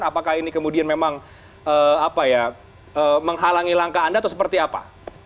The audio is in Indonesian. apakah ini kemudian memang menghalangi langkah anda atau seperti apa